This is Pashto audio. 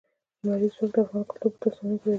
لمریز ځواک د افغان کلتور په داستانونو کې راځي.